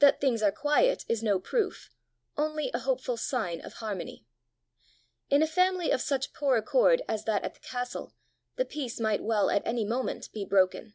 That things are quiet is no proof, only a hopeful sign of harmony. In a family of such poor accord as that at the castle, the peace might well at any moment be broken.